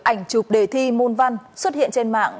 ảnh chụp đề thi môn văn xuất hiện trên mạng